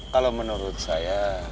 kalo menurut saya